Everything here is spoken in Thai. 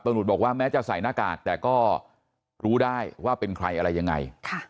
บอกว่าแม้จะใส่หน้ากากแต่ก็รู้ได้ว่าเป็นใครอะไรยังไง